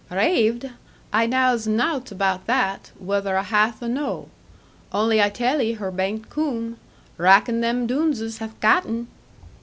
'Raived! I knaws nout about that, whuther a hath of noo. Only I tell 'e, her baint coom. Rackon them Dooneses hath gat 'un.'